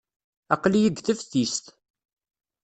Aql-iyi deg teftist.